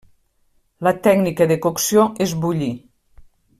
La tècnica de cocció és bullir.